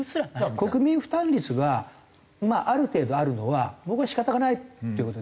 国民負担率がある程度あるのは僕は仕方がないっていう事で。